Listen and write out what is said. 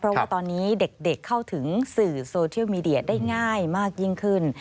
เพราะว่าตอนนี้เด็กเข้าถึงสื่อโซเชียลมีเดียได้ง่ายมากยิ่งขึ้น